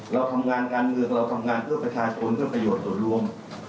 เราทำงานการเมืองเราทำงานเพื่อประชาชนเพื่อประโยชน์ส่วนรวม